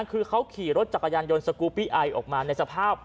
คือเขาขี่รถจักรยานยนต์สกูปปี้ไอออกมาในสภาพ